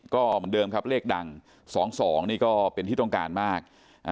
ก็เหมือนเดิมครับเลขดัง๒๒นี่ก็เป็นที่ต้องการมาก